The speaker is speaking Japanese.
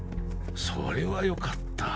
それはよかった。